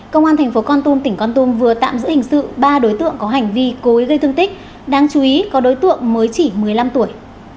công an thành phố con tum tỉnh con tum vừa tạm giữ hình sự ba đối tượng có hành vi cối gây thương tích đáng chú ý có đối tượng mới chỉ một mươi năm tuổi